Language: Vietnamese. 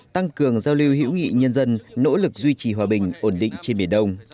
tăng cường giao lưu hữu nghị nhân dân nỗ lực duy trì hòa bình ổn định trên biển đông